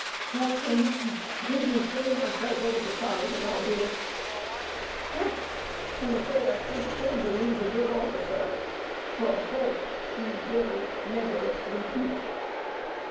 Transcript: "Captain, bid me fling myself over the side, and I'll do it." "Humph! I'm afraid I can't afford to lose a good officer for a fault he—will—never—repeat."